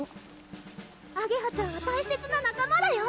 ・あげはちゃんは大切な仲間だよ